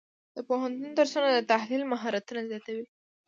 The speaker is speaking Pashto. د پوهنتون درسونه د تحلیل مهارتونه زیاتوي.